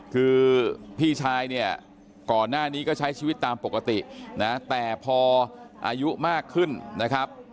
คือพี่ชายเนี่ยก่อนหน้านี้ก็ใช้ชีวิตตามปกตินะแต่พออายุมากขึ้นนะครับ